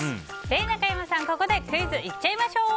中山さん、ここでクイズに行っちゃいましょう！